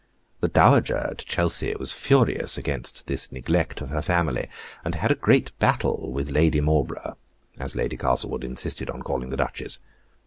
The Dowager at Chelsey was furious against this neglect of her family, and had a great battle with Lady Marlborough (as Lady Castlewood insisted on calling the Duchess).